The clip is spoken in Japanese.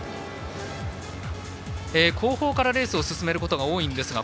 後方からレースを進めることが多いんですが